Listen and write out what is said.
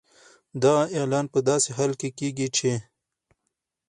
دغه اعلان په داسې حال کې کېږي چې